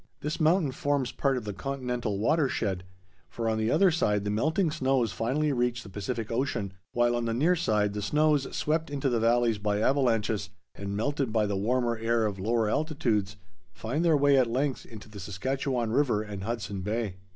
This mountain forms part of the continental water shed, for on the other side the melting snows finally reach the Pacific Ocean, while on the near side the snows swept into the valleys by avalanches, and melted by the warmer air of lower altitudes, find their way at length into the Saskatchewan River and Hudson Bay.